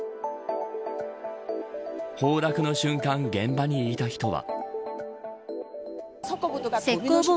崩落の瞬間、現場にいた人は。